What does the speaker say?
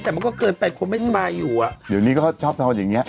แต่มันก็เกินไปคนไม่สบายอยู่อ่ะเดี๋ยวนี้ก็ชอบทำอย่างเงี้